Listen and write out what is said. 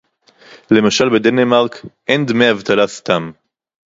למשל בדנמרק, אין דמי אבטלה סתם